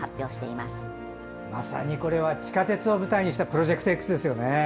まさにこれは地下鉄を舞台にしたプロジェクトＸですね。